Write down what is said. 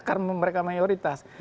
karena mereka mayoritas